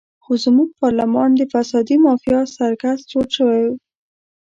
خو زموږ پارلمان د فسادي مافیا سرکس جوړ شوی.